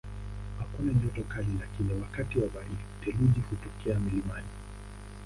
Hakuna joto kali lakini wakati wa baridi theluji hutokea mlimani.